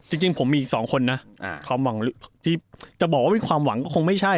จริงผมมีอีกสองคนนะความหวังที่จะบอกว่ามีความหวังก็คงไม่ใช่